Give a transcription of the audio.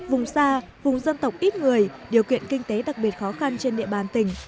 vùng xa vùng dân tộc ít người điều kiện kinh tế đặc biệt khó khăn trên địa bàn tỉnh